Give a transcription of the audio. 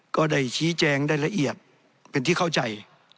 ก็ได้ชี้แจงได้ละเอียดเป็นที่เข้าใจ